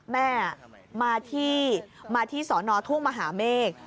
แม่มาที่มาที่สอนอทุ่งมหาเมฆ